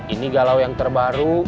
ini galau yang terbaru